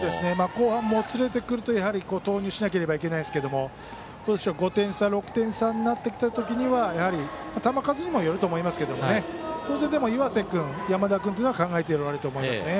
後半もつれてくると投入しなければいけないですけれども５点差、６点差になってきた時は球数にもよると思いますけど当然、岩瀬君、山田君は考えていると思いますね。